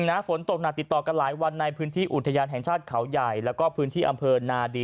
ฝนตกหนักติดต่อกันหลายวันในพื้นที่อุทยานแห่งชาติเขาใหญ่แล้วก็พื้นที่อำเภอนาดี